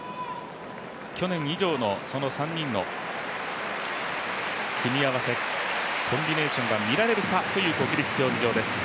去年以上のその３人の組み合わせコンビネーションが見られるかという国立競技場です。